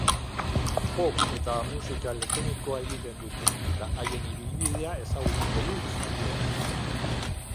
Pop eta musika elektronikoa egiten dute, eta haien ibilbidea ezagutuko du saioak.